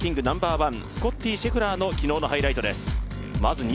ナンバーワン、スコッティ・シェフラーの昨日のハイライトです。